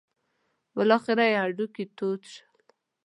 بالاخره یې هډوکي تود شول.